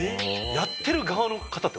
やってる側の方って事？